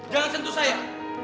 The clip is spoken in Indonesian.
jangan sentuh saya